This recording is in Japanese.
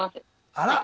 あら！